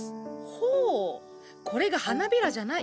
ほうこれが花びらじゃない？